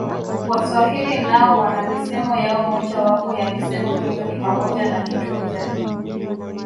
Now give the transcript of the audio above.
Waswahili nao wana misemo yao Moja wapo ya misemo hiyo ni pamoja na kitunze